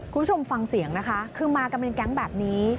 คุณผู้ชมฟังเสียงนะคะคือมากันเป็นแก๊งแบบนี้